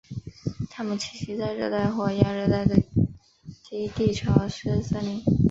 它们栖息在热带或亚热带的低地潮湿森林。